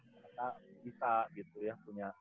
mereka bisa gitu ya